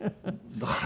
だから。